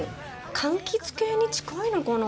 柑橘系に近いのかな？